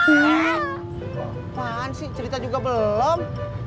hmm sih cerita juga belum